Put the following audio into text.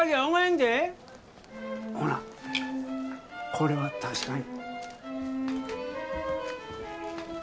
ほなこれは確かに。